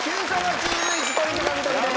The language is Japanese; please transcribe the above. チーム１ポイント獲得です！